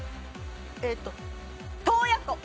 えっと洞爺湖。